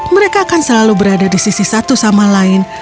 mereka akan selalu berada di sisi satu sama lain